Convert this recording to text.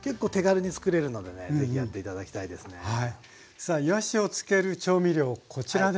さあいわしをつける調味料こちらですね。